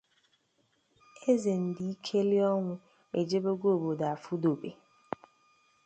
Eze Ndikeliọnwụ ejebego obodo afụdobe